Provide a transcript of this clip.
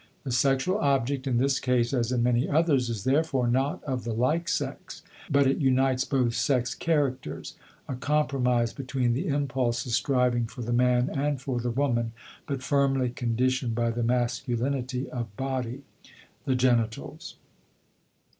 The sexual object in this case as in many others is therefore not of the like sex, but it unites both sex characters, a compromise between the impulses striving for the man and for the woman, but firmly conditioned by the masculinity of body (the genitals).